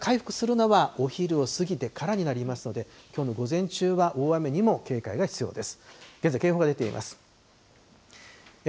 天気が回復するのはお昼を過ぎてからになりますので、きょうの午前中は大雨にも警戒が必要です。